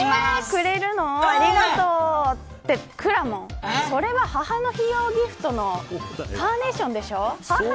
くれるの、ありがとうて、くらもんそれは、母の日用ギフトのカーネーションでしょう。